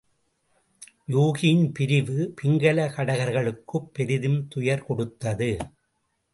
யூகியின் பிரிவு பிங்கல கடகர்களுக்குப் பெரிதும் துயர் கொடுத்தது.